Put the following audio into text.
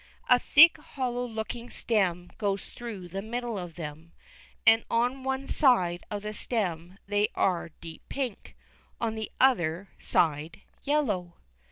A thick, hollow looking stem goes through the middle of them, and on one side of the stem they are a deep pink, on the other side, yellow.